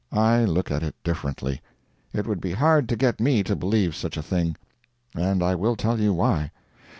I look at it differently. It would be hard to get me to believe such a thing. And I will tell you why.